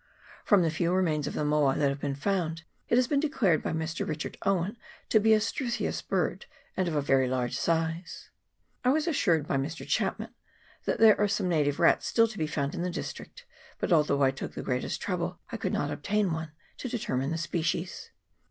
From the few remains of the moa that have been found, it has been declared by Mr. Richard Owen to be a struthious bird, and of very large size. I was assured by Mr. Chapman that there are some native rats still to be found in the district ; but although I took the greatest trouble, I could not obtain one to determine the species. CHAP. XXVI.] CHAIN OF LAKES.